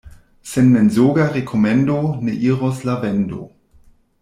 Sen mensoga rekomendo ne iros la vendo.